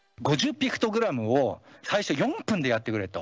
ピクトグラムを、最初４分でやってくれと。